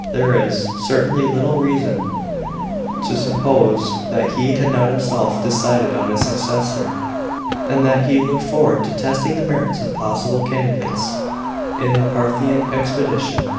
There is, certainly, little reason to suppose that he had not himself decided on his successor, and that he looked forward to testing the merits of possible candidates in the Parthian expedition.